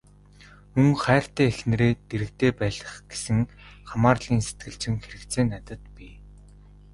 Мөн хайртай эхнэрээ дэргэдээ байлгах гэсэн хамаарлын сэтгэлзүйн хэрэгцээ надад бий.